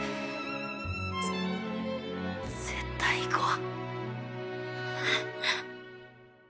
ぜ絶対行こう！